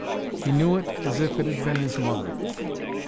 He knew it as if it had been his mother.